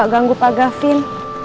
gak ganggu pagah fil